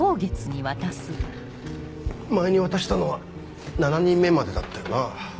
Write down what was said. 前に渡したのは７人目までだったよな？